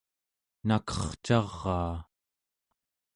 nakercaraa